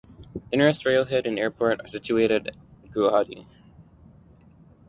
The nearest Rail head and airport are situated at Guwahati.